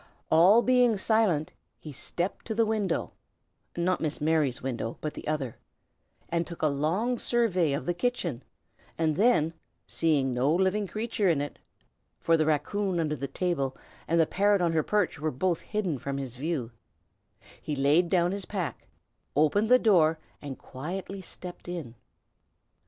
All being silent, he stepped to the window (not Miss Mary's window, but the other), and took a long survey of the kitchen; and then, seeing no living creature in it (for the raccoon under the table and the parrot on her perch were both hidden from his view), he laid down his pack, opened the door, and quietly stepped in.